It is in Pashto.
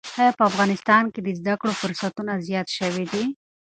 ایا په افغانستان کې د زده کړو فرصتونه زیات شوي دي؟